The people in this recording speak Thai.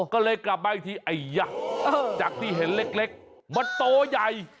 ก็เลยกลับมาอีกทีไอ้ยักษ์จากที่เห็นเล็กมันโตใหญ่